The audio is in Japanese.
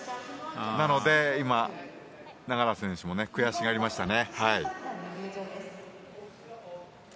なので今、永原選手も悔しがりましたね。